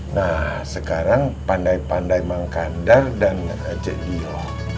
nah sekarang pandai pandai mengkandar dan mengajak dio